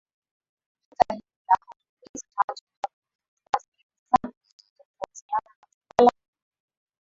Hata hivyo lahaja hizo tatu zinasikilizana zikitofautiana katika lafudhi